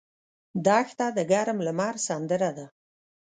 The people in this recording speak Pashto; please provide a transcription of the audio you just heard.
دښته د ګرم لمر سندره ده.